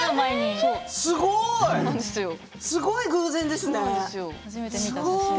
すごい偶然ですね。